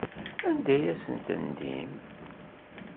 Anda ay asent-tendim?